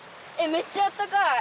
めっちゃあったかい！